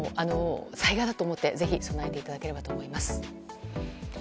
災害だと思ってぜひ備えていただければと思います。